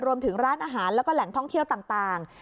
รวมถึงร้านอาหารแล้วก็แหล่งท่องเที่ยวต่าง